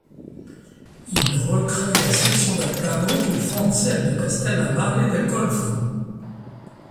Il recrée la section d'Alcamo puis fonde celle de Castellammare Del Golfo.